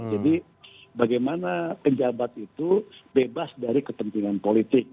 jadi bagaimana penjabat itu bebas dari kepentingan politik